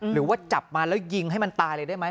หรือว่าจับมาแล้วยิงให้มันตายเลยได้ไหม